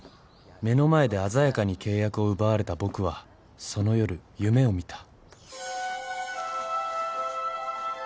目の前で鮮やかに契約を奪われた僕はその夜夢を見た。